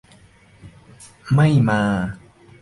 ไม่มา